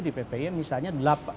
di ppi misalnya